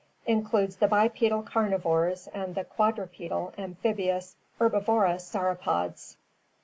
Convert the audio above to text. Includes the bipedal carnivores and the quadrupedal, amphibious, herbiv orous sauropods.